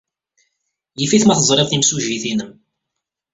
Yif-it ma teẓrid timsujjit-nnem.